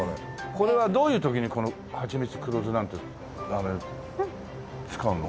これはどういう時にこの蜂蜜黒酢なんて使うの？